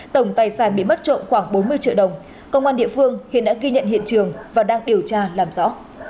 tổng tài sản bị mất trộm khoảng bốn mươi triệu đồng công an địa phương hiện đã ghi nhận hiện trường và đang điều tra làm rõ